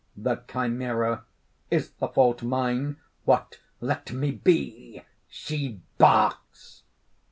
THE CHIMERA. "Is the fault mine? What? Let me be!" (_She barks.